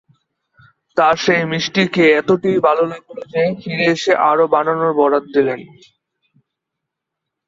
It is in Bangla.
তাঁর সেই মিষ্টি খেয়ে এতটাই ভাল লাগল যে ফিরে এসে আরও বানানোর বরাত দিলেন।